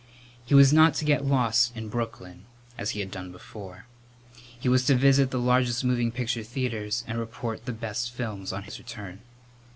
He was not to get lost in Brooklyn, as he had done before. He was to visit the largest moving picture theatres and report the best films on his return.